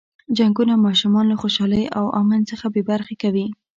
جنګونه ماشومان له خوشحالۍ او امن څخه بې برخې کوي.